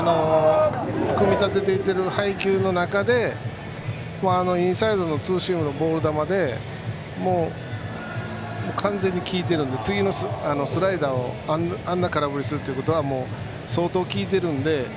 組み立てていける配球の中でインサイドのツーシームのボール球が完全に効いているので次のスライダーをあんな空振りするということは相当、効いているので。